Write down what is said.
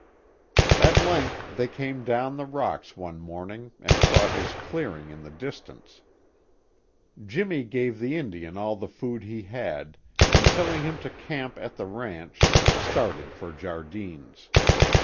At length they came down the rocks one morning and saw his clearing in the distance. Jimmy gave the Indian all the food he had, and telling him to camp at the ranch, started for Jardine's.